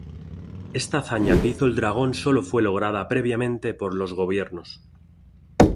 Esta hazaña que hizo el Dragón solo fue lograda previamente por los gobiernos.